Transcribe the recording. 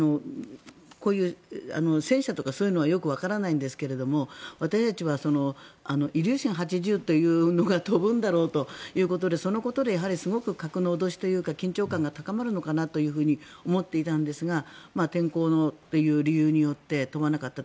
こういう戦車とかそういうのはよくわからないんですけど私たちはイリューシン８０というのが飛ぶんだろうということでそのことですごく核の脅しというか緊張感が高まるのかなと思っていたんですが天候という理由によって飛ばなかった。